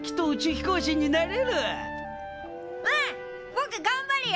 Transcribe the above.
ぼくがんばるよ！